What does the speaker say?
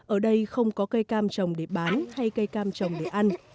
ở đây không có cây cam trồng để bán hay cây cam trồng để ăn